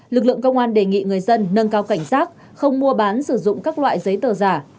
lực lượng công an đề nghị người dân nâng cao cảnh giác không mua bán sử dụng các loại giấy tờ giả